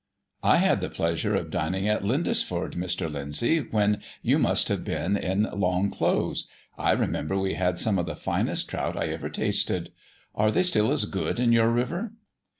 "I had the pleasure of dining at Lindesford, Mr. Lyndsay, when you must have been in long clothes. I remember we had some of the finest trout I ever tasted. Are they still as good in your river?"